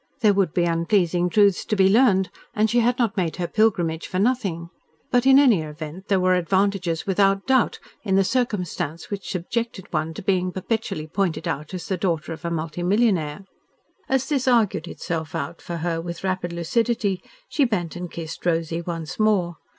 There would be unpleasing truths to be learned, and she had not made her pilgrimage for nothing. But in any event there were advantages without doubt in the circumstance which subjected one to being perpetually pointed out as a daughter of a multi millionaire. As this argued itself out for her with rapid lucidity, she bent and kissed Rosy once more.